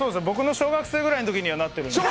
僕の小学生ぐらいのときにはなってる。